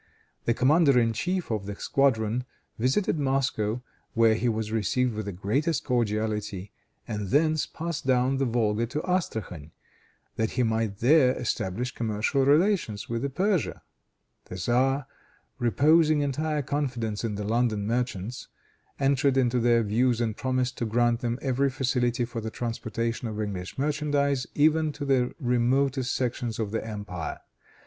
The commander in chief of the squadron visited Moscow, where he was received with the greatest cordiality, and thence passed down the Volga to Astrachan, that he might there establish commercial relations with Persia. The tzar, reposing entire confidence in the London merchants, entered into their views and promised to grant them every facility for the transportation of English merchandise, even to the remotest sections of the empire.